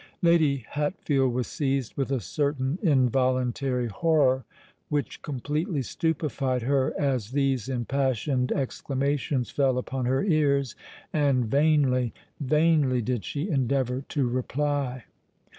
Lady Hatfield was seized with a certain involuntary horror, which completely stupefied her, as these impassioned exclamations fell upon her ears: and vainly—vainly did she endeavour to reply.